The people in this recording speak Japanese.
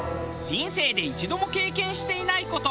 人生で一度も経験していない事。